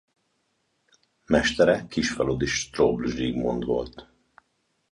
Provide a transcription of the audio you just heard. Mestere Kisfaludi Strobl Zsigmond volt.